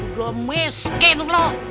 udah miskin lu